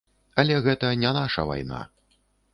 Але гэта не наша вайна.